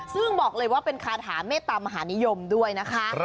ซึ่งบอกเลยว่าเป็นคาถาเมตตามหานิยมด้วยนะคะ